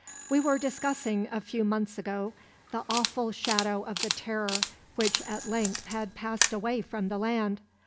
We were discussing a few months ago the awful shadow of the terror which at length had passed away from the land.